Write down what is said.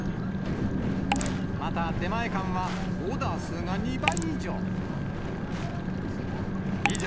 また出前館は、オーダー数が２倍以上。